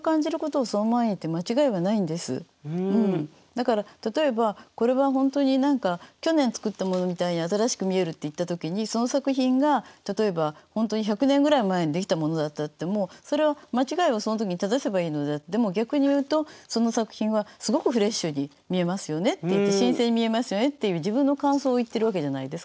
だから例えばこれは本当に去年作ったものみたいに新しく見えるって言った時にその作品が例えば本当に１００年前ぐらいに出来たものであってもそれは間違いをその時に正せばいいのであってでも逆に言うとその作品はすごくフレッシュに見えますよねっていって新鮮に見えますよねっていう自分の感想を言ってるわけじゃないですか。